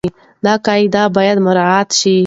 دا قاعده بايد مراعت شي.